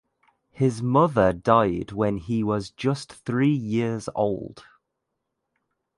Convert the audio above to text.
His mother died when he was just three years old.